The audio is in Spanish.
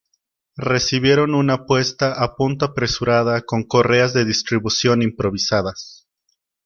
Recibieron una puesta a punto apresurada con correas de distribución improvisadas.